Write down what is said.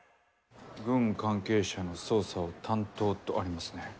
「軍関係者の捜査を担当」とありますね。